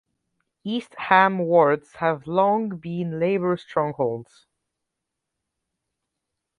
East Ham's wards have long been Labour strongholds.